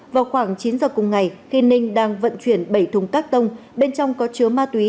vào khoảng chín giờ cùng ngày khi ninh đang vận chuyển bảy thùng các tông bên trong có chứa ma túy